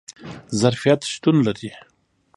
ظرفیت شتون لري